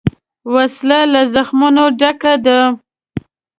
وسله له زخمونو ډکه ده